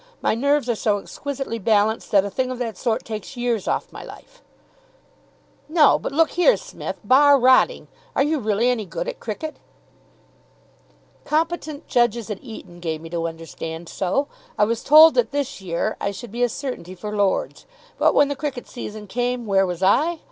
My nerves are so exquisitely balanced that a thing of that sort takes years off my life." "No, but look here, Smith, bar rotting. Are you really any good at cricket?" "Competent judges at Eton gave me to understand so. I was told that this year I should be a certainty for Lord's. But when the cricket season came, where was I?